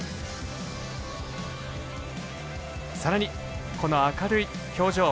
さらに、この明るい表情。